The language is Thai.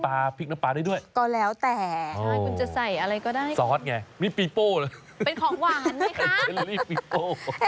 ไปนั่งกินอะไรของเขาไป